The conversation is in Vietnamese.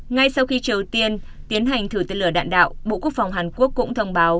ngay sau khi triều tiên tiến hành thử tên lửa đạn đạo bộ quốc phòng hàn quốc cũng thông báo